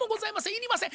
いりません。